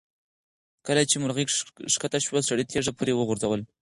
کله چې مرغۍ ښکته شوه، سړي تیږه پرې وغورځوله.